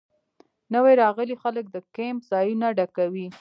نوي راغلي خلک د کیمپ ځایونه ډکوي